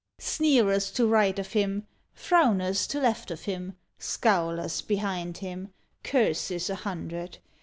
V. Sneerers to right of him, Frowners to left of him. Scowlers behind him. Curses a hundred.